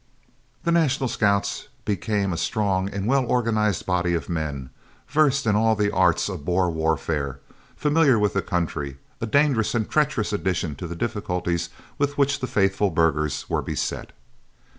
" The National Scouts became a strong and well organised body of men, versed in all the arts of Boer warfare, familiar with the country a dangerous and treacherous addition to the difficulties with which the faithful burghers were beset.